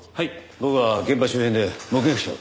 僕は現場周辺で目撃者を。